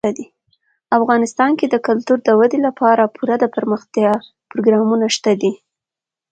افغانستان کې د کلتور د ودې لپاره پوره دپرمختیا پروګرامونه شته دي.